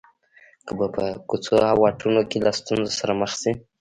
هغه به په کوڅو او واټونو کې له ستونزو سره مخ شي